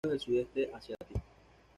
Son propios del Sudeste Asiático.